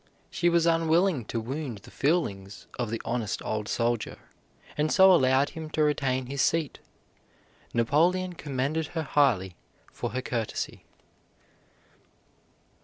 She was unwilling to wound the feelings of the honest old soldier, and so allowed him to retain his seat. Napoleon commended her highly for her courtesy.